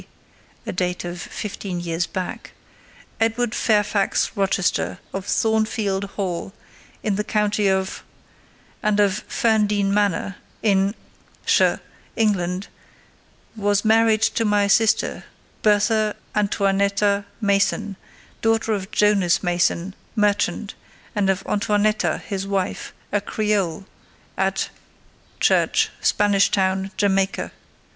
D. —— (a date of fifteen years back), Edward Fairfax Rochester, of Thornfield Hall, in the county of ——, and of Ferndean Manor, in ——shire, England, was married to my sister, Bertha Antoinetta Mason, daughter of Jonas Mason, merchant, and of Antoinetta his wife, a Creole, at —— church, Spanish Town, Jamaica.